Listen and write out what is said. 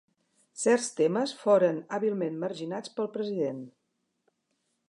Certs temes foren hàbilment marginats pel president.